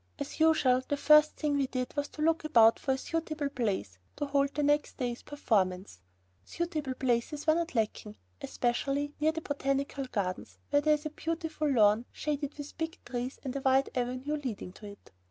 As usual, the first thing we did was to look about for a suitable place to hold the next day's performance. Suitable places were not lacking, especially near the Botanical Gardens, where there is a beautiful lawn shaded with big trees and a wide avenue leading to it.